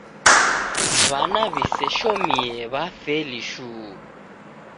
W'ana w'iseshomie w'afeli shuu.